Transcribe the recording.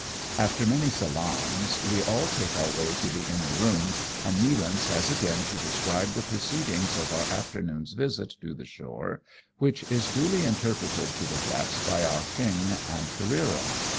185 After many salaams, we all take our way to the inner room, and Nealance has again to describe the proceedings of our afternoon^s visit to the shore, which is duly interpreted to the Japs by Ah Cheong and Careero.